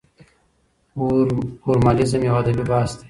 فورمالېزم يو ادبي بحث دی.